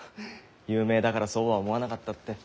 有名だからそうは思わなかったって。